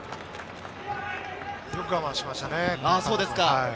よく我慢しましたね。